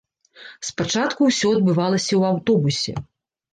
Спачатку ўсё адбывалася ў аўтобусе.